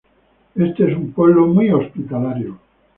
Este es un pueblo muy hospitalario.